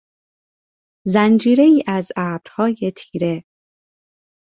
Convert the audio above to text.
زنجیرهای از ابرهای تیره